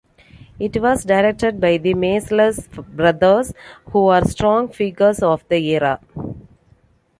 It was directed by The Maysles Brothers who are strong figures of the era.